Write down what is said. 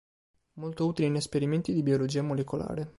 Molto utile in esperimenti di biologia molecolare.